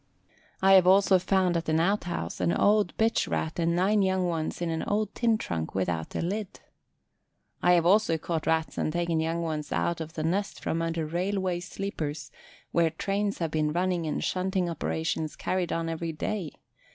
I have also found at an out house an old bitch Rat and nine young ones in an old tin trunk without a lid. I have also caught Rats and taken young ones out of the nest from under railway sleepers where trains have been running and shunting operations carried on every day.